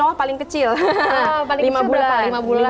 oh paling kecil berapa lima bulan